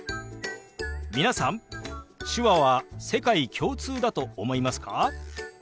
皆さん手話は世界共通だと思いますか？